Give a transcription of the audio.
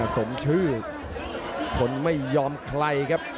สมชื่อคนไม่ยอมใครครับ